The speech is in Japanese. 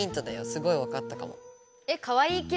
すごいわかったかも。